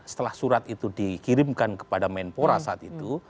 setelah surat itu dikirimkan kepada menpora saat itu